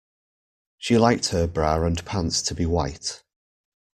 She liked her bra and pants to be white